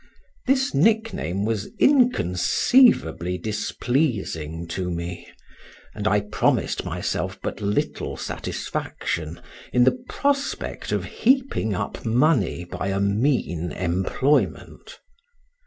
This nickname was inconceivably displeasing to me, and I promised myself but little satisfaction in the prospect of heaping up money by a mean employment.